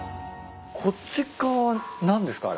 こっちっ側は何ですか？